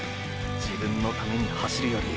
自分のために走るより。